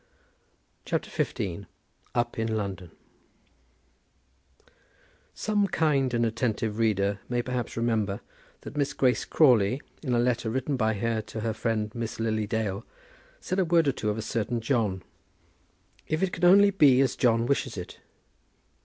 CHAPTER XV. UP IN LONDON. Some kind and attentive reader may perhaps remember that Miss Grace Crawley, in a letter written by her to her friend Miss Lily Dale, said a word or two of a certain John. "If it can only be as John wishes it!"